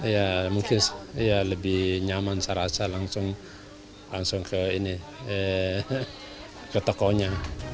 ya mungkin ya lebih nyaman saya rasa langsung ke ini ke tokonya